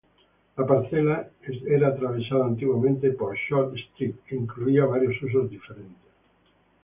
La parcela era atravesada antiguamente por Short Street e incluía varios usos diferentes.